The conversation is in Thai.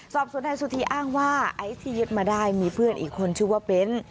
สอบส่วนนายสุธีอ้างว่าไอซ์ที่ยึดมาได้มีเพื่อนอีกคนชื่อว่าเบ้น